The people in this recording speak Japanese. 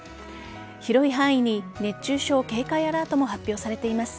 広い範囲に熱中症警戒アラートも発表されています。